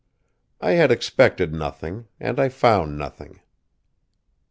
I had expected nothing, and I found nothing.